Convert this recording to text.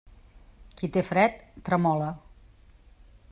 Qui té fred, tremola.